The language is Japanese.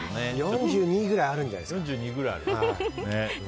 ４２くらいあるんじゃないですか。